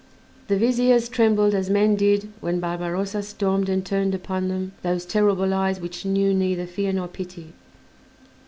The Viziers trembled as men did when Barbarossa stormed and turned upon them those terrible eyes which knew neither fear nor pity.